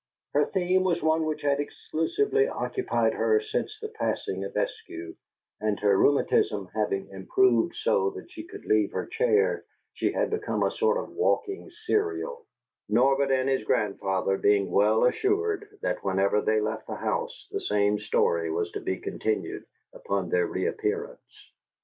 Her theme was one which had exclusively occupied her since the passing of Eskew, and, her rheumatism having improved so that she could leave her chair, she had become a sort of walking serial; Norbert and his grandfather being well assured that, whenever they left the house, the same story was to be continued upon their reappearance.